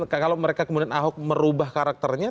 kalau mereka kemudian ahok merubah karakternya